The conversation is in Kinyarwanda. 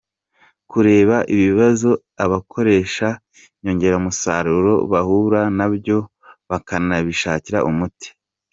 Kureba ibibazo abakoresha inyongeramusaruro bahura na byo bakanabishakira umuti.